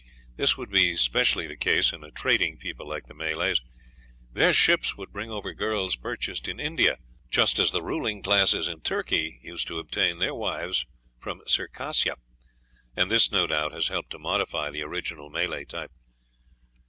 This would be specially the case in a trading people like the Malays; their ships would bring over girls purchased in India, just as the ruling classes in Turkey used to obtain their wives from Circassia; and this, no doubt, has helped to modify the original Malay type."